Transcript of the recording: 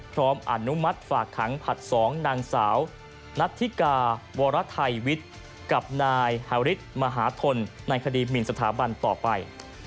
อนุมัติฝากขังผลัด๒นางสาวนัทธิกาวรไทยวิทย์กับนายฮาริสมหาทนในคดีหมินสถาบันต่อไป